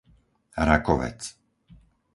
Rakovec